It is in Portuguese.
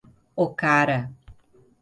Ocara